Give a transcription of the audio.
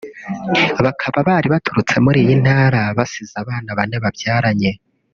bakaba bari baturutse muri iyi Ntara basize abana bane babyaranye